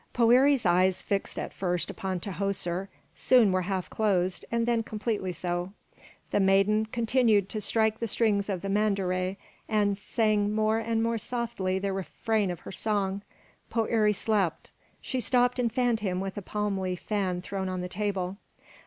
Poëri's eyes, fixed at first upon Tahoser, soon were half closed, and then completely so. The maiden continued to strike the strings of the mandore, and sang more and more softly the refrain of her song. Poëri slept. She stopped and fanned him with a palm leaf fan thrown on the table.